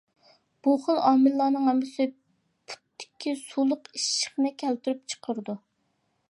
بۇ خىل ئامىللارنىڭ ھەممىسى پۇتتىكى سۇلۇق ئىششىقنى كەلتۈرۈپ چىقىرىدۇ.